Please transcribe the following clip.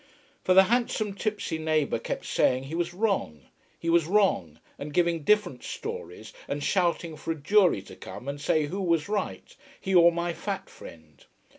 For the handsome tipsy neighbour kept saying he was wrong, he was wrong, and giving different stories, and shouting for a jury to come and say who was right, he or my fat friend.